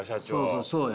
そうそう。